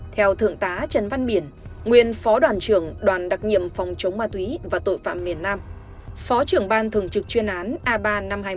theo thượng tá trần văn biển nguyên phó đoàn trưởng đoàn đặc nhiệm phòng chống ma túy và tội phạm miền nam phó trưởng ban thường trực chuyên án a ba năm trăm hai mươi một